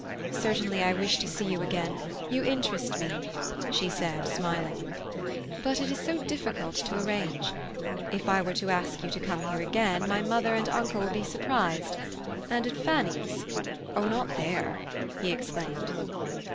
"Certainly I wish to see you again; you interest me," she said smiling. "But it is so difficult to arrange. If I were to ask you to come here again, my mother and uncle would be surprised. And at Fanny's " "Oh, not there!" he exclaimed.